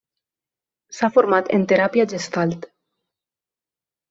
S'ha format en Teràpia gestalt.